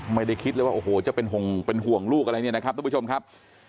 ไม่ได้คิดเลยว่าโอ้โหจะเป็นห่วงเป็นห่วงลูกอะไรเนี่ยนะครับทุกผู้ชมครับ